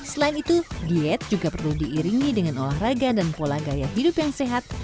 selain itu diet juga perlu diiringi dengan olahraga dan pola gaya hidup yang sehat